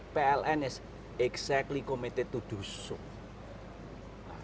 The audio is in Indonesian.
pln benar benar berkomitmen untuk melakukan ini